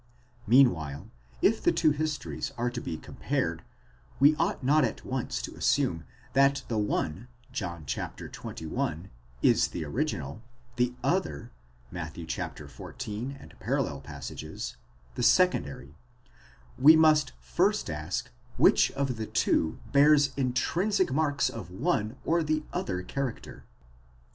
Meanwhile, if the two histories are to be compared, we ought not at once to assume that the one, John xxi., is the original, the other, Matt. xiv. parall., the secondary ; we must first ask which of the two bears intrinsic marks of one or the other character.